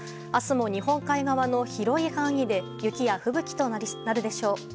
明日も日本海側の広い範囲で雪や吹雪となるでしょう。